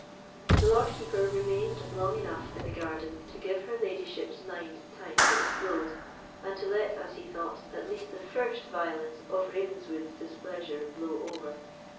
The Lord Keeper remained long enough in the garden to give her ladyship's mind time to explode, and to let, as he thought, at least the first violence of Ravenswood's displeasure blow over.